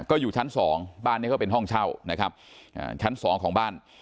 ก็อยู่ชั้นสองบ้านนี้ก็เป็นห้องเช่านะครับชั้นสองของบ้าน